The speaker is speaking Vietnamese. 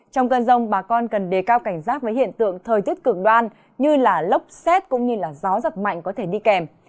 trong cơn rông bà con cần đề cao cảnh giác với hiện tượng thời tiết cực đoan như lốc xét cũng như gió giật mạnh có thể đi kèm